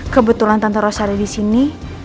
kebetulan tante ros ada di sini